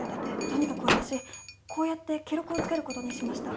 とにかく私こうやって記録をつけることにしました。